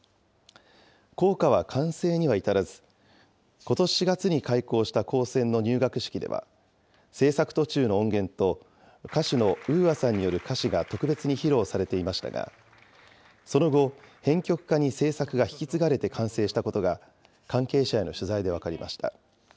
校歌は完成には至らず、ことし４月に開校した高専の入学式では、制作途中の音源と、歌手のＵＡさんによる歌詞が特別に披露されていましたが、その後、編曲家に制作が引き継がれて完成したことが、関係者への取材で分かりました。